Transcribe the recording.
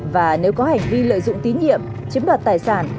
và nếu có hành vi lợi dụng tín nhiệm chiếm đoạt tài sản